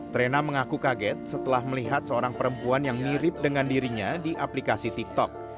trena mengaku kaget setelah melihat seorang perempuan yang mirip dengan dirinya di aplikasi tiktok